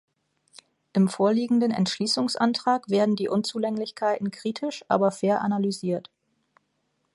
Im vorliegenden Entschließungsantrag werden die Unzulänglichkeiten kritisch, aber fair analysiert.